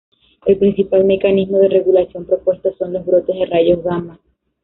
El principal mecanismo de regulación propuesto son los brotes de rayos gamma.